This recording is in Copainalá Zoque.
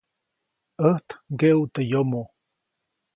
ʼÄjt ŋgeʼuʼt teʼ yomoʼ.